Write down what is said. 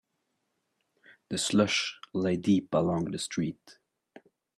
The slush lay deep along the street.